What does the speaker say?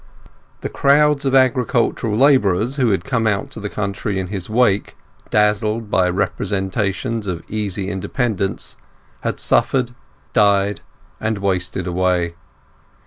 The crowds of agricultural labourers who had come out to the country in his wake, dazzled by representations of easy independence, had suffered, died, and wasted away.